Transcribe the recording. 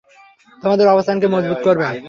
তোমাদের অবস্থানকে মজবুত করবেন।